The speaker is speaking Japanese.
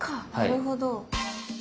なるほど。